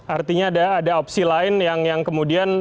artinya ada opsi lain yang kemudian